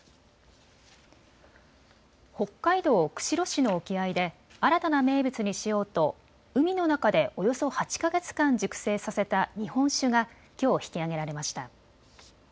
北海道釧路市の沖合で新たな名物にしようと海の中でおよそ８か月間、熟成させた日本酒がきょう引き揚げられました。